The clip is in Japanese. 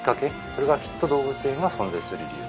それがきっと動物園が存在する理由。